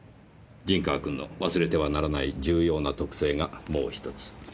陣川君の忘れてはならない重要な特性がもう１つ。